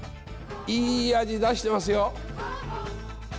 いい味出してますよ。